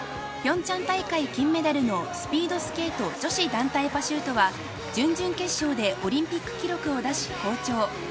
ピョンチャン大会金メダルのスピードスケート女子団体パシュートは、準々決勝でオリンピック記録を出し好調。